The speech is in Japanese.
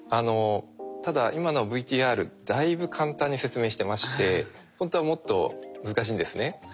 ただ今のＶＴＲだいぶ簡単に説明してましてほんとはもっと難しいんですね。